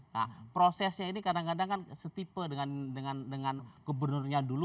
nah prosesnya ini kadang kadang kan setipe dengan gubernurnya dulu